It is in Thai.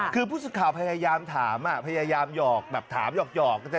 คือผู้สึกข่าวพยายามถามพยายามหยอกแบบถามหยอก